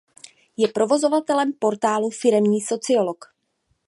Je provozovatelem portálu Firemní sociolog.